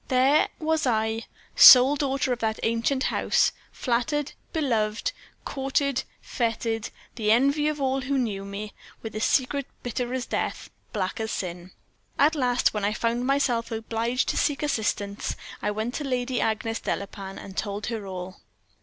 There was I sole daughter of that ancient house; flattered, beloved, courted, feted, the envy of all who knew me with a secret bitter as death, black as sin. At last, when I found myself obliged to seek assistance, I went to Lady Agnes Delapain, and told her all.